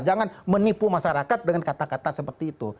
jangan menipu masyarakat dengan kata kata seperti itu